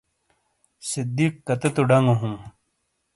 صدیق کَتیتو ڈانگو ہُوں۔